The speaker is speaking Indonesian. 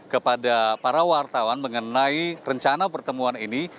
kepada para wartawan mengenai rencana pertemuan ini